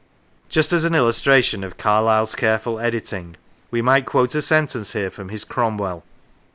Just as an illustration of Carlyle's careful editing we might quote a sentence here from his "Cromwell."